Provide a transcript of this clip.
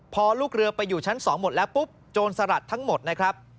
พอลูกเรือไปอยู่ชั้น๒หมดแล้วปุ๊บโจรสลัดทั้งหมดนะครับ